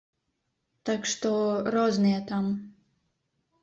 Так што розныя там.